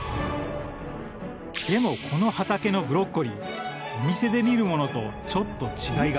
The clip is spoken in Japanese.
でもこの畑のブロッコリーお店で見るものとちょっと違いが。